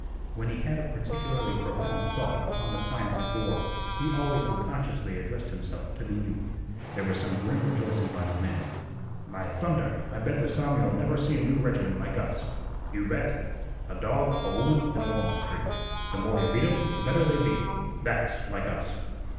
When he had a particularly profound thought upon the science of war he always unconsciously addressed himself to the youth. There was some grim rejoicing by the men. "By thunder, I bet this army'll never see another new reg'ment like us!" "You bet!" "A dog, a woman, an' a walnut tree Th' more yeh beat 'em, th' better they be! That's like us."